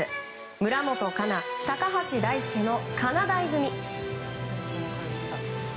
村元哉中、高橋大輔のかなだい組。